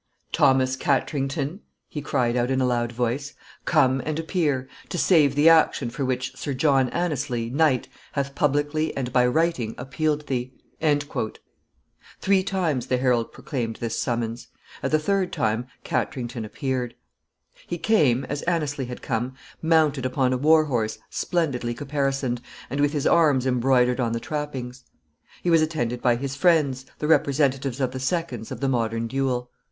Thomas Katrington!" he cried out in a loud voice, "come and appear, to save the action for which Sir John Anneslie, knight, hath publicly and by writing appealed thee!" [Sidenote: Appearance of Katrington.] Three times the herald proclaimed this summons. At the third time Katrington appeared. He came, as Anneslie had come, mounted upon a war horse splendidly caparisoned, and with his arms embroidered on the trappings. He was attended by his friends, the representatives of the seconds of the modern duel.